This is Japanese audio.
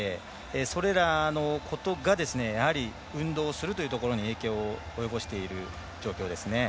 それらのことがやはり、運動するということに影響を及ぼしている状況です。